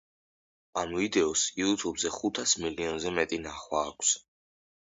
ამ ვიდეოს იუთუბზე ხუთას მილიონზე მეტი ნახვა აქვს.